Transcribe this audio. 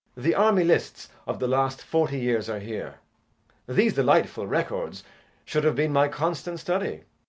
JACK. The Army Lists of the last forty years are here. These delightful records should have been my constant study.